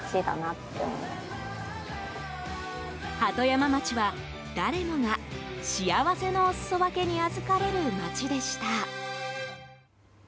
鳩山町は、誰もが幸せのお裾分けに預かれる町でした。